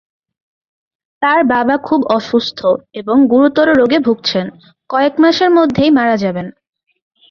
তার বাবা খুব অসুস্থ এবং গুরুতর রোগে ভুগছেন, কয়েক মাসের মধ্যেই মারা যাবেন।